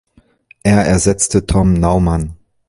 Er ersetzte Tom Naumann.